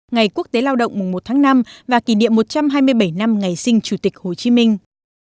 ngày quốc tế lao động mùng một tháng năm và kỷ niệm một trăm hai mươi bảy năm ngày sinh chủ tịch hồ chí minh